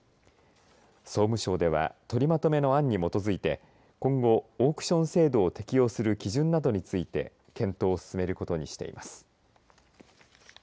総務省では取りまとめの案に基づいて今後、オークション制度を適用する基準などについて検討を進めることにしています。